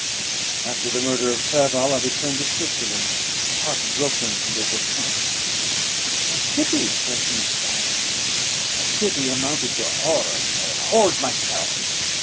"After the murder of Clerval, I returned to Switzerland, heart broken and overcome. I pitied Frankenstein; my pity amounted to horror: I abhorred myself.